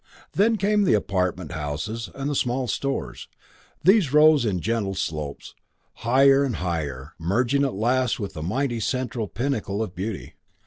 Then came the apartment houses and the small stores; these rose in gentle slopes, higher and higher, merging at last with the mighty central pinnacle of beauty.